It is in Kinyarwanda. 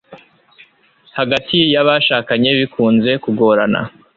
hagati y'abashakanye bikunze kugorana